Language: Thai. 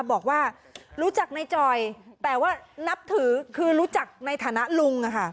บอกว่ารู้จักในจอยแต่ว่านับถือคือรู้จักในฐานะลุง